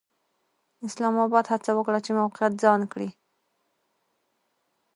اسلام اباد هڅه وکړه چې موقعیت ځان کړي.